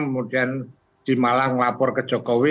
kemudian di malang lapor ke jokowi